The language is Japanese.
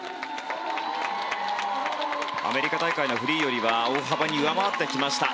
アメリカ大会のフリーを大幅に上回ってきました。